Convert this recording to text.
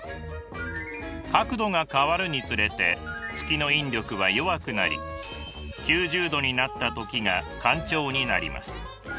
角度が変わるにつれて月の引力は弱くなり９０度になった時が干潮になります。